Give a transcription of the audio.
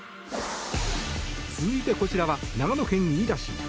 続いて、こちらは長野県飯田市。